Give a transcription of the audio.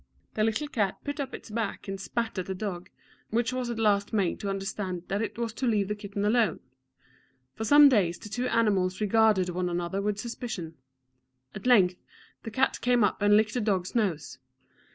The little cat put up its back and spat at the dog, which was at last made to understand that it was to leave the kitten alone. For some days the two animals regarded one another with suspicion; at length the cat came up and licked the dog's nose.